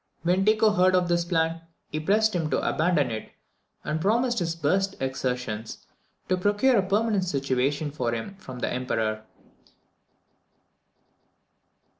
When Tycho heard of this plan, he pressed him to abandon it, and promised his best exertions to procure a permanent situation for him from the Emperor.